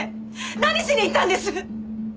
何しに行ったんです？